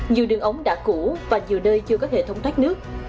nhiều đường ống đã cũ và nhiều nơi chưa có hệ thống thoát nước